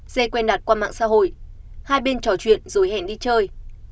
xe quen đạt qua mạng xã hội hai bên trò chuyện rồi hẹn đi chơi